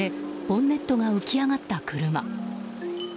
ボンネットが浮き上がった車。